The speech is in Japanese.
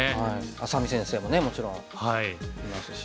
愛咲美先生もねもちろんいますし。